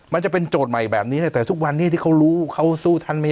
มันจะเป็นโจทย์ใหม่แบบนี้แต่ทุกวันนี้ที่เขารู้เขาสู้ท่านไม่